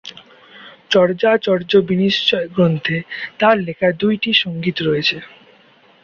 চর্যাচর্যবিনিশ্চয় গ্রন্থে তার লেখা দুইটি সঙ্গীত রয়েছে।